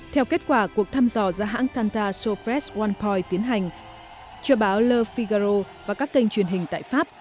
theo kết quả cuộc thăm dò ra hãng canta sofres one point tiến hành cho báo le figaro và các kênh truyền hình tại pháp